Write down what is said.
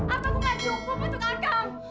apa aku nggak cukup untuk agam